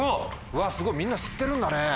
すごいみんな知ってるんだね。